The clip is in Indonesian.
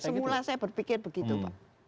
semula saya berpikir begitu pak